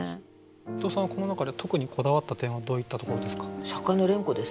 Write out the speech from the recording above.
伊藤さんはこの中で特にこだわった点はどういったところですか？